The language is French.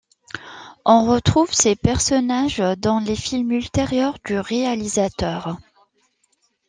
On retrouve ses personnages dans les films ultérieurs du réalisateur.